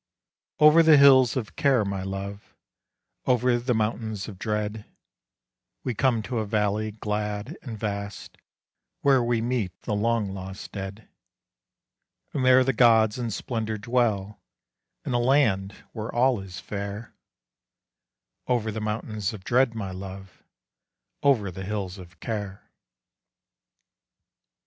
Over the hills of care, my Love, Over the mountains of dread, We come to a valley glad and vast, Where we meet the long lost dead: And there the gods in splendor dwell, In a land where all is fair, Over the mountains of dread, my Love, Over the hills of care.